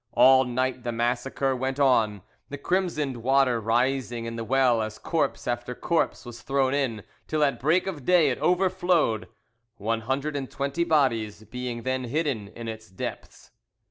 All night the massacre went on, the crimsoned water rising in the well as corpse after corpse was thrown in, till, at break of day, it overflowed, one hundred and twenty bodies being then hidden in its depths.